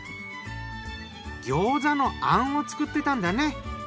ギョーザの餡を作ってたんだね。